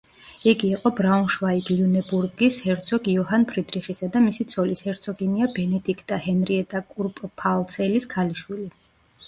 იგი იყო ბრაუნშვაიგ-ლიუნებურგის ჰერცოგ იოჰან ფრიდრიხისა და მისი ცოლის, ჰერცოგინია ბენედიქტა ჰენრიეტა კურპფალცელის ქალიშვილი.